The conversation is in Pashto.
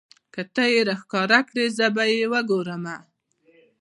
که تۀ یې راښکاره کړې زه به یې وګورمه.